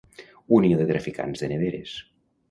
Unió de traficants de neveres.